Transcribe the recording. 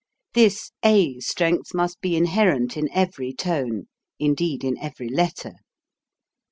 This a strength must be inherent in every tone, indeed 80 HOW TO SING in every letter.